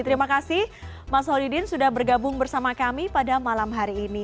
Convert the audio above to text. terima kasih mas holidin sudah bergabung bersama kami pada malam hari ini